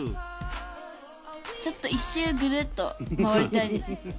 ちょっと１周ぐるっと回りたいですね。